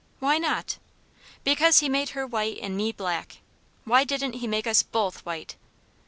"Why not?" "Because he made her white, and me black. Why didn't he make us BOTH white?"